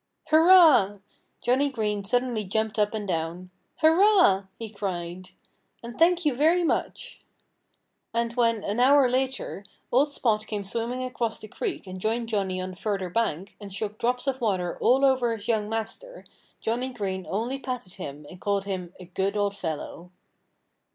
"Hurrah!" Johnnie Green suddenly jumped up and down. "Hurrah!" he cried. "And thank you very much!" And when, an hour later, old Spot came swimming across the creek and joined Johnnie on the further bank, and shook drops of water all over his young master, Johnnie Green only patted him and called him a "good old fellow."